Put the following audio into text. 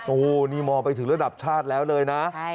โอ้โหนี่มองไปถึงระดับชาติแล้วเลยนะ